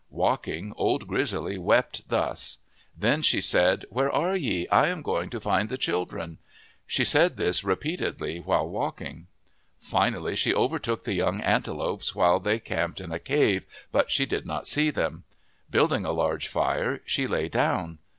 Walking, Old Grizzly wept thus. Then she said, "Where are ye ? I am going to find the children." She said this repeatedly while walking. Finally she overtook the young antelopes while they camped in a cave, but she did not see them. Building a large fire she lay down.